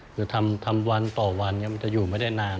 คือทำวันต่อวันมันจะอยู่ไม่ได้นาน